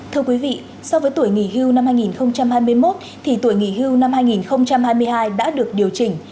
thưa quý vị so với tuổi nghỉ hưu năm hai nghìn hai mươi một thì tuổi nghỉ hưu năm hai nghìn hai mươi hai đã được điều chỉnh